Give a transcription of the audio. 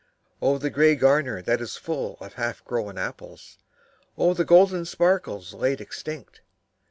Oh, the grey garner that is full of half grown apples, Oh, the golden sparkles laid extinct